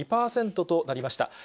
９２％となりました。